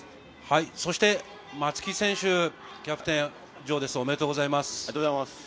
そして松木選手、キャプテン、おめでとうございます。